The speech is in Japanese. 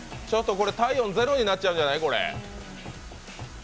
体温ゼロになっちゃうんじゃない？